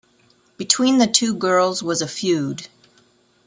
Between the two girls was a feud.